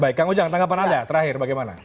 baik kang ujang tanggapan anda terakhir bagaimana